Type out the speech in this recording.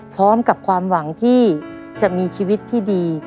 พร้อมกับความหวังที่จะมีชีวิตที่ดี